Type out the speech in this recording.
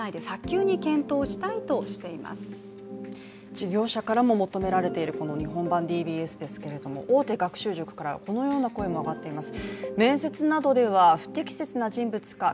事業者からも求められている日本版ＤＢＳですけれども大手学習塾からこのような声も上がっています